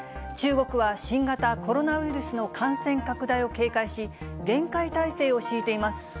中国は新型コロナウイルスの感染拡大を警戒し、厳戒態勢を敷いています。